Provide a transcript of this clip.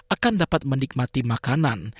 akan dapat menikmati makanan